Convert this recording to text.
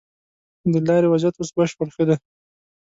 د لارې وضيعت اوس بشپړ ښه دی.